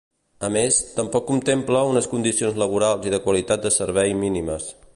A més, tampoc contempla unes condicions laborals i de qualitat de servei mínimes.